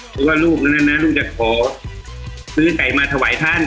หรือว่าลูกนั้นลูกจะขอซื้อไก่มาถวายท่าน